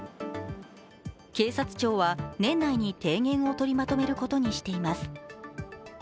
警察庁は、年内に提言を取りまとめることにしています。